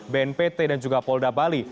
bnpt dan juga polda bali